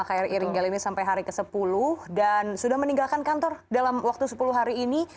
kri ringgel ini sampai hari ke sepuluh dan sudah meninggalkan kantor dalam waktu sepuluh hari ini